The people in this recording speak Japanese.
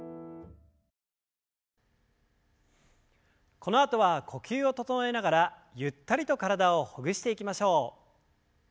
このあとは呼吸を整えながらゆったりと体をほぐしていきましょう。